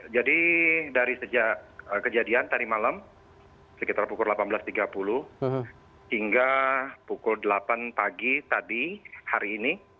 jadi dari sejak kejadian tadi malam sekitar pukul delapan belas tiga puluh hingga pukul delapan pagi tadi hari ini